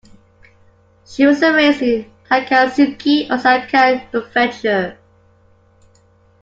She was raised in Takatsuki, Osaka Prefecture.